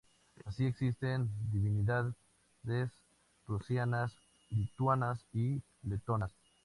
Así, existen divinidades prusianas, lituanas y letonas.